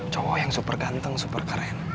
cowok yang super ganteng super keren